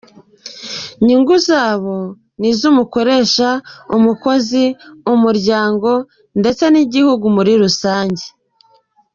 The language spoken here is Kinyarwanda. Inyungu zabyo ni iz’umukoresha, umukozi, umuryango, ndetse n’igihugu muri rusange.